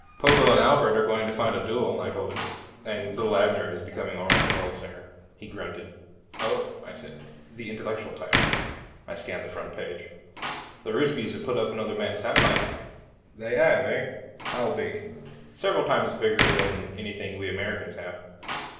"Pogo and Albert are going to fight a duel," I told him, "and Lil Abner is becoming a rock'n'roll singer." He grunted. "Oh," I said, "the intellectual type." I scanned the front page. "The Russkies have put up another manned satellite." "They have, eh? How big?" "Several times bigger than anything we Americans have."